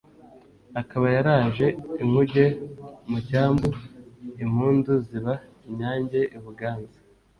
Akaba yaraje inkuge mu cyambuImpundu ziba inyange i Buganza